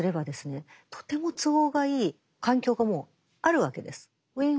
とても都合がいい環境がもうあるわけです。